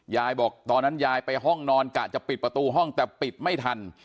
ยายบอกตอนนั้นยายไปห้องนอนกะจะปิดประตูห้องแต่ปิดไม่ทัน